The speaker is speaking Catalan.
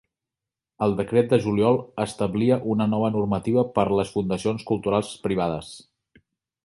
El decret de juliol establia una nova normativa per a les Fundacions culturals privades.